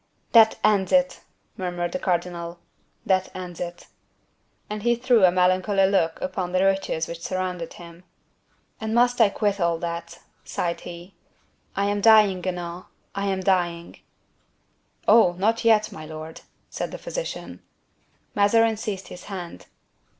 "That ends it!" murmured the cardinal; "that ends it." And he threw a melancholy look upon the riches which surrounded him. "And must I quit all that?" sighed he. "I am dying, Guenaud! I am dying!" "Oh! not yet, my lord," said the physician. Mazarin seized his hand.